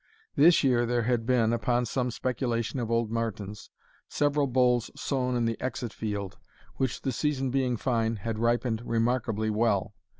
This year there had been, upon some speculation of old Martin's, several bolls sown in the exit field, which, the season being fine, had ripened remarkably well.